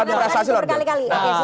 yang berprestasi lebih